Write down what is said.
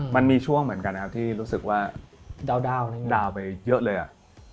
มันมีช่วงเหมือนกันนะครับที่รู้สึกว่าดาวไปเยอะเลยอ่ะ